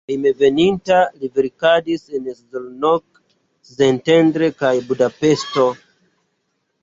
Hejmenveninta li verkadis en Szolnok, Szentendre kaj Budapeŝto.